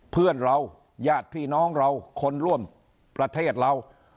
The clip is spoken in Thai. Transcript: เพื่อนเราญาติพี่น้องเราคนร่วมประเทศเรา